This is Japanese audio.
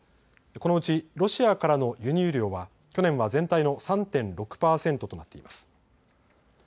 このうちロシアからの輸入量は去年は全体の３．６％となっています。